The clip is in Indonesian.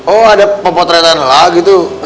oh ada pemotretan lagi tuh